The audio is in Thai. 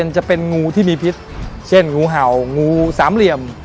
จะเป็นงูที่มีพิษเช่นงูเห่างูสามเหลี่ยม